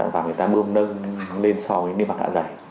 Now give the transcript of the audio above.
và người ta bơm nâng lên so với niêm mạc đạ dày